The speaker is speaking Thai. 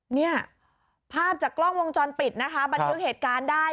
เนี่ยภาพจากกล้องวงจรปิดนะคะบันทึกเหตุการณ์ได้